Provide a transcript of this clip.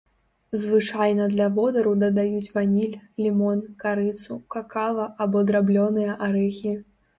Звычайна для водару дадаюць ваніль, лімон, карыцу, какава або драблёныя арэхі.